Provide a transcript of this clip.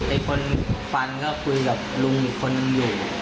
ไอ้คนฟันก็คุยกับลุงอีกคนนึงอยู่